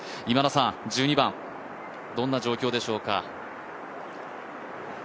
今田さん、１２番、どんな状況でしょうか？